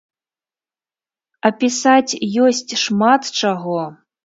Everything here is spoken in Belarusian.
А пісаць ёсць шмат чаго!